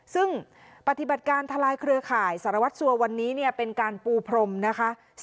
ซึ่งปฏิบัติการทลายเครือข่ายสารวัตรสัววันนี้เนี่ยเป็นการปูพรมนะคะ